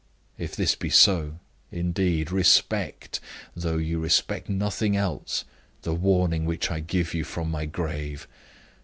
If this be so, indeed, respect though you respect nothing else the warning which I give you from my grave.